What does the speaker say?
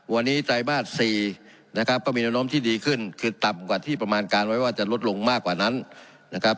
วันนี้ไตรมาส๔นะครับก็มีแนวโน้มที่ดีขึ้นคือต่ำกว่าที่ประมาณการไว้ว่าจะลดลงมากกว่านั้นนะครับ